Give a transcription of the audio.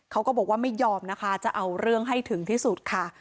เขาก็บอกว่าไม่ยอมนะคะจะเอาเรื่องให้ถึงที่สุดค่ะ